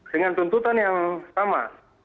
dengan tuntutan yang sama